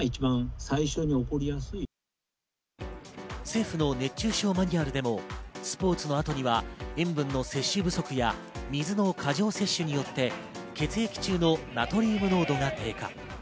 政府の熱中症マニュアルでもスポーツの後には塩分の摂取不足や水の過剰摂取によって血液中のナトリウム濃度が低下。